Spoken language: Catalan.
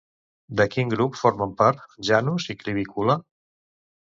De quin grup formen part Janus i Clivicula?